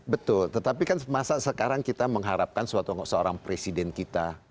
betul tetapi kan masa sekarang kita mengharapkan seorang presiden kita